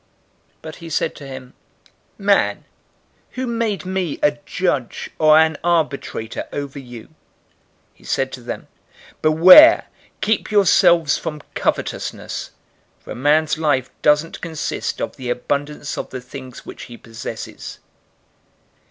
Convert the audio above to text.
012:014 But he said to him, "Man, who made me a judge or an arbitrator over you?" 012:015 He said to them, "Beware! Keep yourselves from covetousness, for a man's life doesn't consist of the abundance of the things which he possesses."